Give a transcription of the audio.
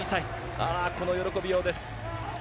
ああ、この喜びようです。